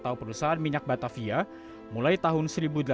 atau perusahaan minyak batavia mulai tahun seribu delapan ratus delapan